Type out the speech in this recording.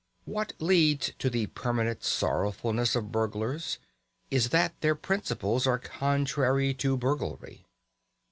What leads to the permanent sorrowfulness of burglars is that their principles are contrary to burglary.